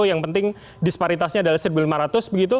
yang penting disparitasnya adalah rp satu lima ratus begitu